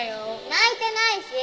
泣いてないし！